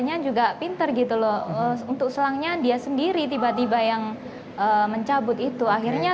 nya juga pinter gitu loh untuk selangnya dia sendiri tiba tiba yang mencabut itu akhirnya